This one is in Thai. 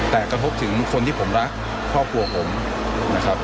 แต่กระทบถึงคนที่ผมรักครอบครัวผมนะครับ